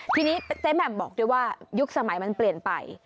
ทีนี้เจ๊แหม่มบอกด้วยว่ายุคสมัยมันเปลี่ยนไป